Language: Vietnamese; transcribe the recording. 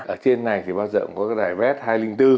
ở trên này thì bao giờ cũng có cái đài red hai trăm linh bốn